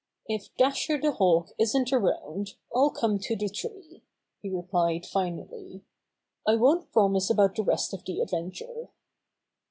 "If Dasher the Hawk isn't around, I'll come to the tree," he replied finally. "I won't promise about the rest of the adventure."